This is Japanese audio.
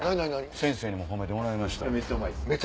先生にも褒めてもらいました。